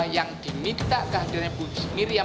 yang diminta kehadirannya bu miriam